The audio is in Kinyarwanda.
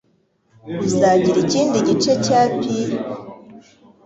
Uzagira ikindi gice cya pie?